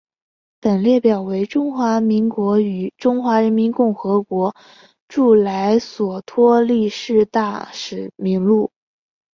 本列表为中华民国与中华人民共和国驻莱索托历任大使名录。